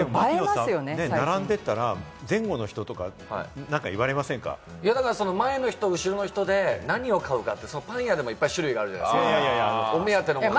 並んでたら、前後の人とか、前の人、後の人でなにを買うかって、パン屋でもいっぱい種類があるじゃないですか。